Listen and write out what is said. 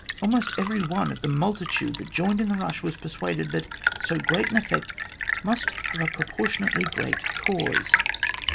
Almost every one of the multitude that joined in the rush was persuaded that so great an effect must have a proportionately great cause.